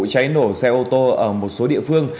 cháy nổ xe ô tô ở một số địa phương